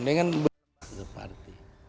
dan yang kan berhasil seperti